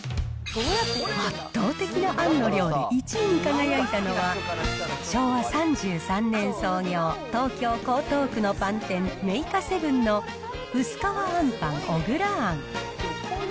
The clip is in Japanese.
圧倒的なあんの量で１位に輝いたのは、昭和３３年創業、東京・江東区のパン店、メイカセブンのうす皮あんパンおぐら餡。